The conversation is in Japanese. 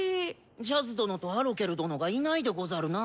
ジャズ殿とアロケル殿がいないでござるな。